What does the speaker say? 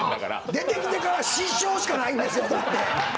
出てきてから失笑しかないんですよ。